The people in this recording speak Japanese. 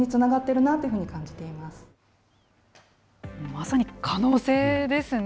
まさに可能性ですね。